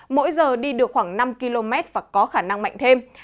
mỗi giờ đi được khoảng năm km và có khả năng mạnh thêm